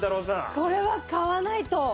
これは買わないと。